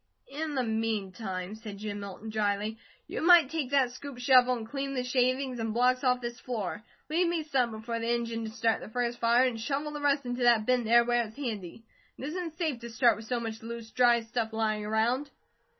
"In the meantime," said Jim Milton dryly, "you might take that scoop shovel and clean the shavings and blocks off this floor. Leave me some before the engine to start the first fire, and shovel the rest into that bin there where it's handy. It isn't safe to start with so much loose, dry stuff lying around."